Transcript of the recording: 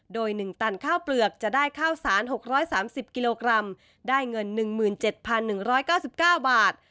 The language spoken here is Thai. โดย๑ตันข้าวเปลือกจะได้ข้าวสาร๖๓๐กิโลกรัมได้เงิน๑๗๑๙๙บาท